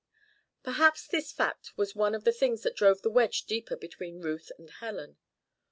Perhaps this fact was one of the things that drove the wedge deeper between Ruth and Helen.